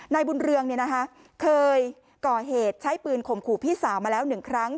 นายบุญเรืองเนี่ยนะคะเคยก่อเหตุใช้ปืนข่มขู่พี่สาวมาแล้วหนึ่งครั้ง